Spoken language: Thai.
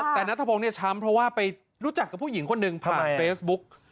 แต่นัทพงศ์ช้ำเพราะจะรู้จักกับผู้หญิงตามฟ่าเฟซบุ๊ก